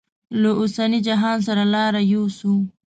له اوسني جهان سره لاره یوسو.